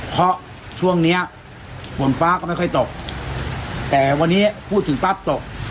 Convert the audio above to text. เพราะช่วงเนี้ยฝนฟ้าก็ไม่ค่อยตกแต่วันนี้พูดถึงปั๊บตก